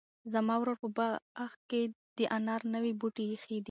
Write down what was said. زما ورور په خپل باغ کې د انار نوي بوټي ایښي.